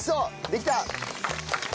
できた！